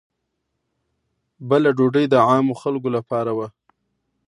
بله ډوډۍ د عامو خلکو لپاره وه.